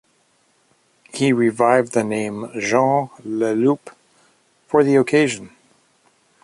He revived the name Jean Leloup for the occasion.